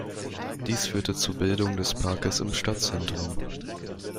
Dies führte zur Bildung des Parkes im Stadtzentrum.